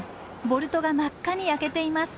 ボルトが真っ赤に焼けています。